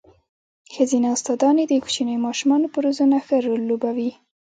ښځينه استاداني د کوچنيو ماشومانو په روزنه ښه رول لوبوي.